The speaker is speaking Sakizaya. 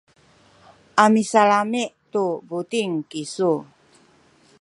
a misalami’ tu buting kisu.